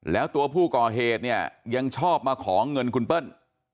แล้วตัวผู้ก่อเหตุเนี่ยยังชอบมาขอเงินคุณเปิ้ล